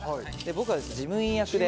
僕はですね事務員役で。